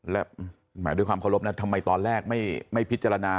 และแหมด้วยความเคารพนะทำไมตอนแรกไม่พิจารณา